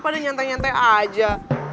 pada nyantai nyantai aja